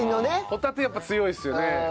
ホタテやっぱ強いですよね。